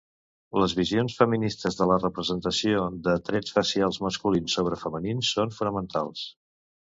Les visions feministes de la representació de trets facials masculins sobre femenins són fonamentals.